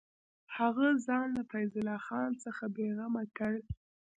هغه ځان له فیض الله خان څخه بېغمه کړ.